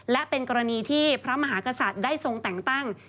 และเป็นกรณีที่พระมหากษัตริย์ได้ทรงแต่งตั้ง